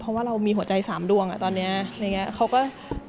เพราะว่าเรามีหัวใจสามดวงอะตอนเนี้ยอะไรอย่างเงี้ย